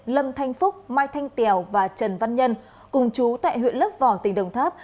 lâm thanh phúc mai thanh tèo và trần văn nhân cùng chú tại huyện lớp vò tỉnh đồng tháp